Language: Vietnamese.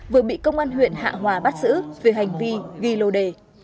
vừa bị công an huyện hạ hòa bắt giữ về hành vi ghi lô đề